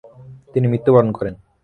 তিনি মৃত্যু বরন করেন।